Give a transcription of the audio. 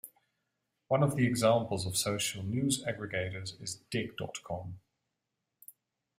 One of the examples of social news aggregators is Digg dot com.